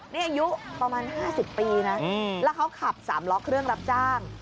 นี่อายุประมาณ๕๐ปีนะแล้วเขาขับ๓ล้อเครื่องรับจ้าง